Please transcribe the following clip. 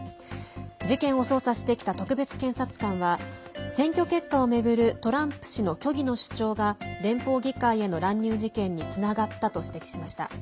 事件を捜査してきた特別検察官は選挙結果を巡るトランプ氏の虚偽の主張が連邦議会への乱入事件につながったと指摘しました。